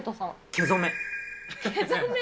毛染め？